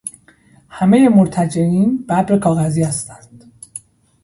همهٔ مرتجعین ببر کاغذی هستند.